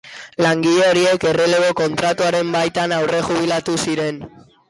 Langile horiek errelebo-kontratuaren baitan aurrejubilatu ziren.